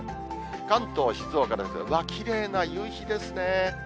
関東、静岡ですけれども、きれいな夕日ですね。